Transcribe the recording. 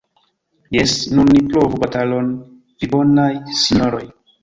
Jes, nun ni provu batalon, vi bonaj sinjoroj!